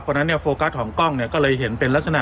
มันมันมันมันมันมันมันมันมันมันมันมันมัน